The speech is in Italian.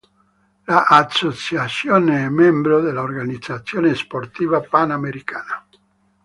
L'associazione è membro dell'Organizzazione Sportiva Panamericana.